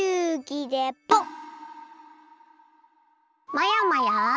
まやまや！